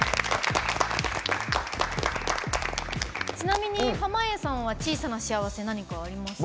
ちなみに濱家さんは小さな幸せ何かありますか？